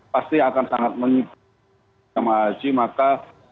pasti akan sangat mengikuti jemaah haji maka